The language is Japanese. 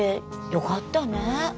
よかったね